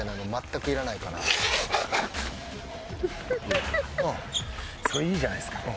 それはいいじゃないですか。